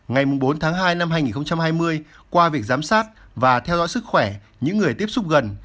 ngày bốn tháng hai năm hai nghìn hai mươi qua việc giám sát và theo dõi sức khỏe những người tiếp xúc gần